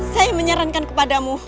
saya menyarankan kepadamu